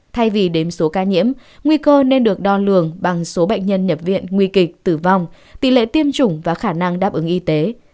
thay vì đếm số ca nhiễm nguy cơ nên được đo lường bằng số bệnh nhân nhập viện nguy kịch tử vong tỷ lệ tiêm chủng và khả năng đáp ứng y tế